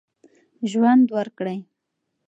ژوند ورکړئ.